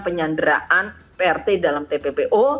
penyanderaan prt dalam tppo